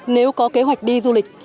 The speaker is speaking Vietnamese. nếu có kế hoạch đi du lịch